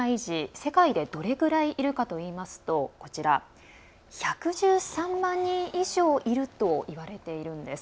世界でどれぐらいいるかといいますと１１３万人以上いるといわれているんです。